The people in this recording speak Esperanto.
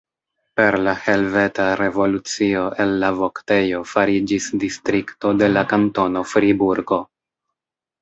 Per la Helveta Revolucio el la voktejo fariĝis distrikto de la kantono Friburgo.